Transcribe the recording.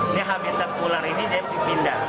ini habitat ular ini dipindah